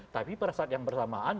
tapi pada saat yang bersamaan